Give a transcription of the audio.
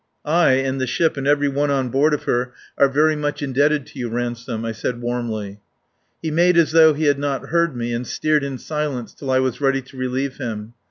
"I, and the ship, and every one on board of her, are very much indebted to you, Ransome," I said warmly. He made as though he had not heard me, and steered in silence till I was ready to relieve him.